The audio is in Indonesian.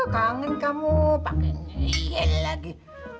kangen kamu panggilnya ayah lagi